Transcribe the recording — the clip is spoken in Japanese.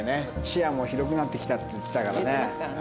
「視野も広くなってきた」って言ってたからね。